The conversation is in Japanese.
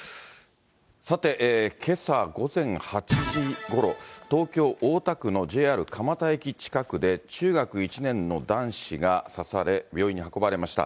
さて、けさ午前８時ごろ、東京・大田区のＪＲ蒲田駅近くで中学１年の男子が刺され、病院に運ばれました。